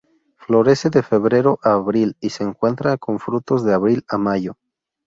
Florece de febrero a abril y se encuentra con frutos de abril a mayo.